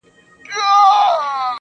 له ډيره وخته مو لېږلي دي خوبو ته زړونه,